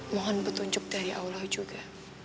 mohon petunjuk dari allah juga